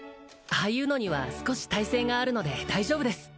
ああいうのには少し耐性があるので大丈夫です